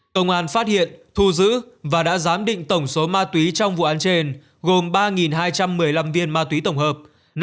công an phát hiện thu giữ và đã giám định tổng số ma túy trong vụ án trên gồm ba hai trăm một mươi năm viên ma túy tổng hợp